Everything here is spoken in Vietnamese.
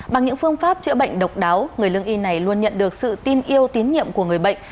bằng những phương pháp chữa bệnh độc đáo người lương y này luôn nhận được sự tin yêu tín nhiệm của người bệnh